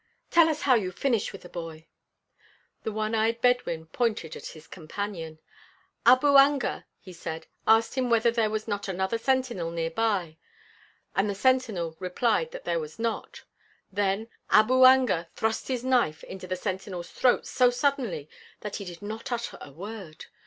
"Tell us how you finished with the boy?" The one eyed Bedouin pointed at his companion. "Abu Anga," he said, "asked him whether there was not another sentinel near by, and the sentinel replied that there was not; then Abu Anga thrust his knife into the sentinel's throat so suddenly that he did not utter a word.